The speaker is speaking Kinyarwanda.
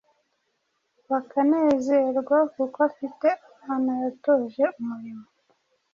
bakanezerwa kuko afite abana yatoje umurimo